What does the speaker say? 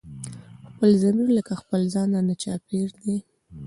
خپل ضمير لکه خپل ځان رانه چاپېر دی